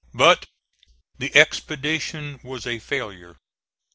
But the expedition was a failure.